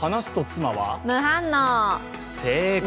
正解！